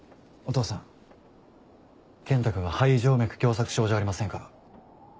お父さん健太くんは肺静脈狭窄症じゃありませんか？